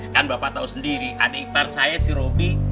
kan bapak tau sendiri adik part saya si robi